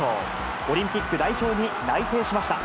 オリンピック代表に内定しました。